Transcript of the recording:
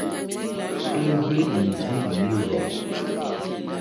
É hwélì ndí lǐrzɔ̀.